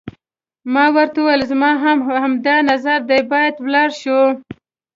ما ورته وویل: زما هم همدا نظر دی، باید ولاړ شو.